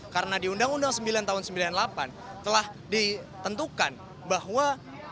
karena di undang undang sembilan tahun seribu sembilan ratus sembilan puluh delapan telah ditentukan bahwa